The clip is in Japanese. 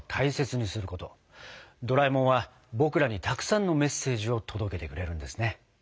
ドラえもんは僕らにたくさんのメッセージを届けてくれるんですね。